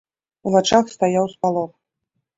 У вачах стаяў спалох.